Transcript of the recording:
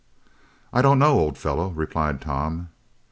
"I don't know, old fellow," replied Tom.